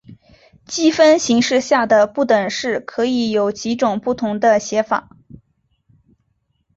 积分形式下的不等式可以有几种不同的写法。